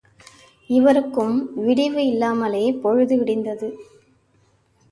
இருவருக்கும் விடிவு இல்லாமலே பொழுது விடிந்தது.